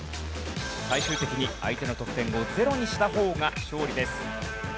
最終的に相手の得点をゼロにした方が勝利です。